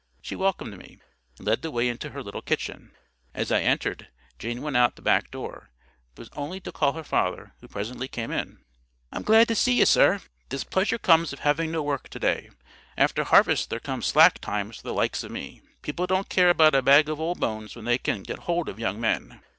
She welcomed me, and led the way into her little kitchen. As I entered, Jane went out at the back door. But it was only to call her father, who presently came in. "I'm glad to see ye, sir. This pleasure comes of having no work to day. After harvest there comes slack times for the likes of me. People don't care about a bag of old bones when they can get hold of young men.